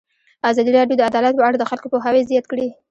ازادي راډیو د عدالت په اړه د خلکو پوهاوی زیات کړی.